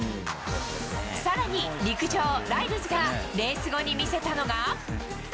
更に陸上、ライルズがレース後に見せたのが。